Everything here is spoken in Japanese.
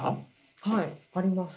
はいあります。